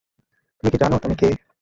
তুমি কি জানো তুমি কে?